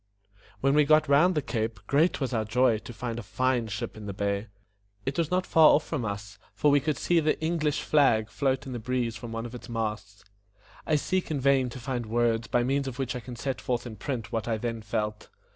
When we got round the cape, great was our joy to find a fine ship in the bay. It was not far off from us, for we could see the ENG LISH flag float in the breeze from one of its masts. I seek in vain to find words by means of which I can set forth in print what I then felt.